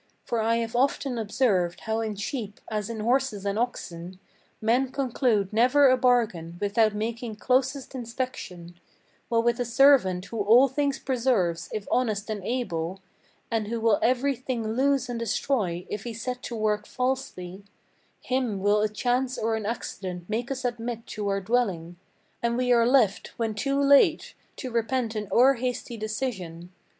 For I have often observed how in sheep, as in horses and oxen, Men conclude never a bargain without making closest inspection, While with a servant who all things preserves, if honest and able, And who will every thing lose and destroy, if he set to work falsely, Him will a chance or an accident make us admit to our dwelling, And we are left, when too late, to repent an o'er hasty decision.